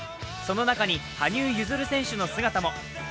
その中に羽生結弦選手の姿も。